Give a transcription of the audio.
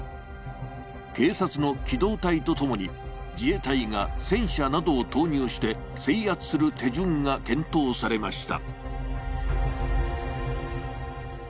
警察の機動隊とともに自衛隊が戦車などを投入して制圧する手順が検討されました。